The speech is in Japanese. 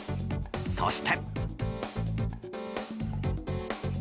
そして。